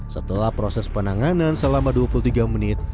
setelah proses penanganan selama dua puluh tiga menit